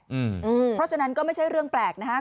เพราะฉะนั้นก็ไม่ใช่เรื่องแปลกนะครับ